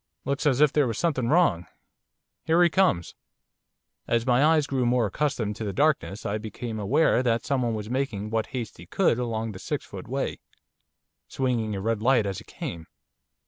Looks as if there was something wrong. Here he comes.' As my eyes grew more accustomed to the darkness I became aware that someone was making what haste he could along the six foot way, swinging a red light as he came.